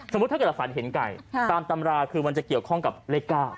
สมมุติถ้าเกราะฟันเห็นไก่ตามตำราคือมันจะเกี่ยวข้องกับเล็กก้าว